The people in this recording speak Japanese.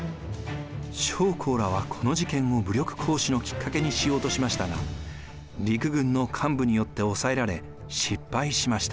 将校らはこの事件を武力行使のきっかけにしようとしましたが陸軍の幹部によって抑えられ失敗しました。